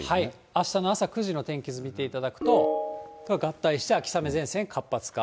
あしたの朝９時の天気図見ていただくと、合体して秋雨前線活発化。